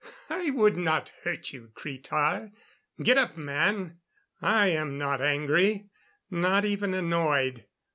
"I would not hurt you, Cretar! Get up, man! I am not angry not even annoyed.